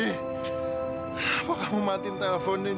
kenapa kamu matiin teleponnya julie